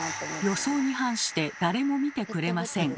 予想に反して誰も見てくれません。